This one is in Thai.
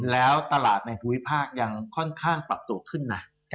แล้วตลาดในภูมิภาคยังค่อนข้างปรับตัวขึ้นนะ